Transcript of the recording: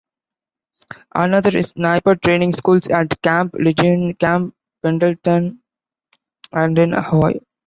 Another is Sniper training schools at Camp Lejeune, Camp Pendleton and in Hawaii.